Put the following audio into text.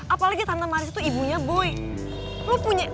apalagi tante maris tuh ibunya boy